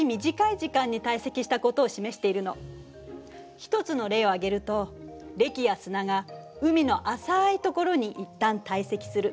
一つの例を挙げるとれきや砂が海の浅い所に一旦堆積する。